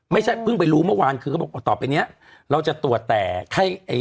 ไม่ใช่เพิ่งไปรู้เมื่อวานคือตอบจะตรวจแต่ไข้